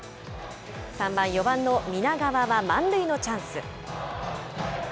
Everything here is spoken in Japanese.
３回、４番の南川は満塁のチャンス。